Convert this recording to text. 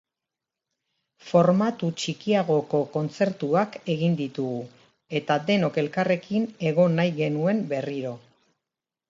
Formatu txikiagoko kontzertuak egin ditugu, eta denok elkarrekin egon nahi genuen berriro.